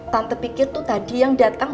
tante pikir tuh tadi yang dateng